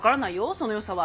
そのよさは。